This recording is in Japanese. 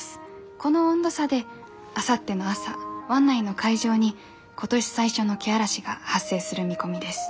この温度差であさっての朝湾内の海上に今年最初のけあらしが発生する見込みです。